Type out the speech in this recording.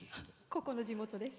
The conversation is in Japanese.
ここの地元です。